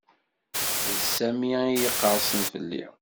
D Sami ay iqersen fell-i.